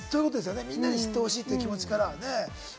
みんなに知ってほしいっていう気持ちから。